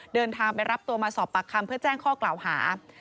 เดินทางไปรับตัวมาสอบปากคำเพื่อแจ้งข้อกล่าวหา